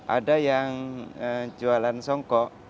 ada yang jualan songkok